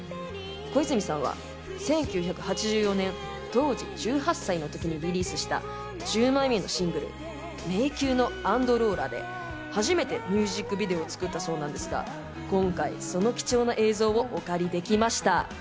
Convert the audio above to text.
小泉さんは１９８４年、当時１８歳の時にリリースした１０枚目のシングル『迷宮のアンドローラ』で初めてミュージックビデオを作ったそうなんですが、今回その貴重な映像をお借りできました。